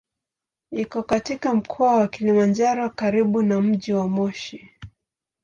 Iko katika Mkoa wa Kilimanjaro karibu na mji wa Moshi.